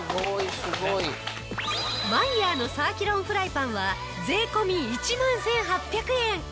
マイヤーのサーキュロンフライパンは税込１万１８００円。